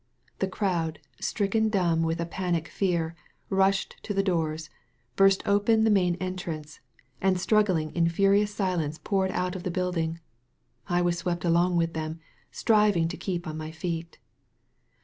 The crowd, stricken dumb with a panic fear, rushed to the doors, burst open the main entrance, and struggling in furious silence poured out of the build ing. I was swept along with them, striving to keep on my feet.